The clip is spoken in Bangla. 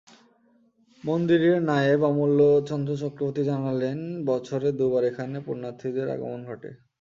মন্দিরের নায়েব অমূল্য চন্দ্র চক্রবর্তী জানালেন, বছরে দুবার এখানে পুণ্যার্থীদের আগমন ঘটে।